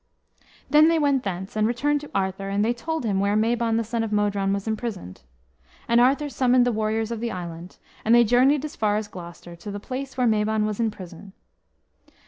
Then they went thence, and returned to Arthur, and they told him where Mabon, the son of Modron, was imprisoned. And Arthur summoned the warriors of the island, and they journeyed as far as Gloucester, to the place where Mabon was in prison.